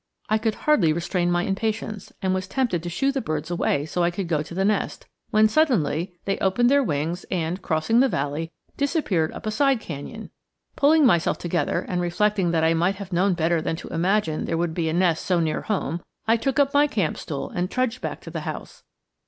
I could hardly restrain my impatience, and was tempted to shoo the birds away so I could go to the nest; when suddenly they opened their wings and, crossing the valley, disappeared up a side canyon! Pulling myself together and reflecting that I might have known better than to imagine there would be a nest so near home, I took up my camp stool and trudged back to the house.